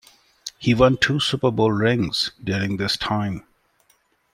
He won two Super Bowl rings during this time.